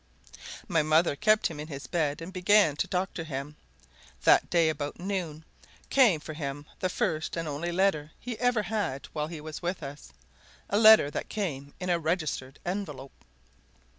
My mother kept him in his bed and began to doctor him; that day, about noon, came for him the first and only letter he ever had while he was with us a letter that came in a registered envelope.